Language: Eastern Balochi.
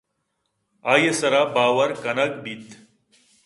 آئی ءِ سرا باور کنگ بیت